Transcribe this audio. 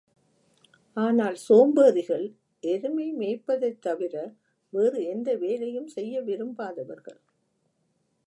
ஆனால் சோம்பேறிகள், எருமை மேய்ப்பதைத் தவிர, வேறு எந்த வேலையும் செய்ய விரும்பாதவர்கள்.